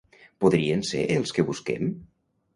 Podrien ser els que busquem?